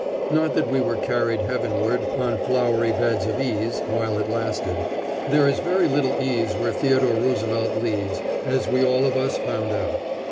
Not that we were carried heavenward "on flowery beds of ease" while it lasted. There is very little ease where Theodore Roosevelt leads, as we all of us found out.